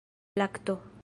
lakto